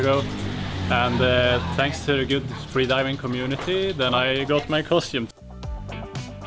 dan terima kasih kepada komunitas penyelam bebas yang baik saya mendapatkan kostum saya